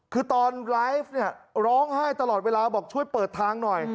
คือตอนไลฟ์เนี่ยร้องไห้ตลอดเวลาบอกช่วยเปิดทางหน่อย